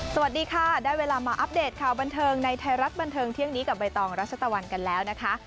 สวัสดีค่ะได้เวลามาอัปเดตข่าวบันเทิงในไทยรัฐบันเทิงเที่ยงนี้กับใบตองรัชตะวันกันแล้วนะคะ